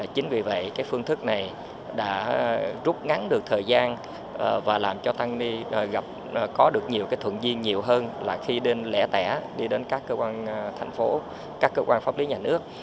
chính vì vậy cái phương thức này đã rút ngắn được thời gian và làm cho thanh niên có được nhiều cái thuận duyên nhiều hơn là khi đến lẻ tẻ đi đến các cơ quan thành phố các cơ quan pháp lý nhà nước